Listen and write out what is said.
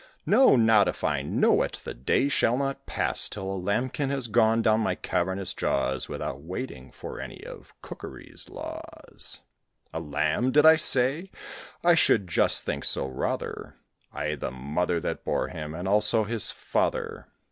No, not if I know it! The day shall not pass Till a lambkin has gone down my cavernous jaws, Without waiting for any of cookery's laws. A lamb, did I say? I should just think so, rather; Aye, the mother that bore him, and also his father."